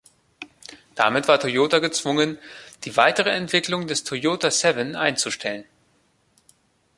Damit war Toyota gezwungen, die weitere Entwicklung des Toyota Seven einzustellen.